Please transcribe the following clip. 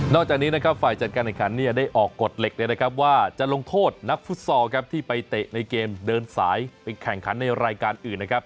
จากนี้นะครับฝ่ายจัดการแข่งขันเนี่ยได้ออกกฎเหล็กเลยนะครับว่าจะลงโทษนักฟุตซอลครับที่ไปเตะในเกมเดินสายไปแข่งขันในรายการอื่นนะครับ